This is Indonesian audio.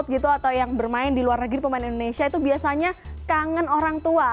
kalau kita bicara pemain yang berpengalaman di luar negeri pemain indonesia itu biasanya kangen orang tua